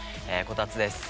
こたつです。